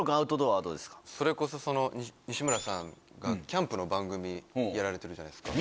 それこそ西村さんがキャンプの番組やられてるじゃないですか。